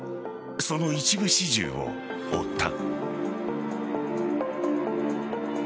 その一部始終を追った。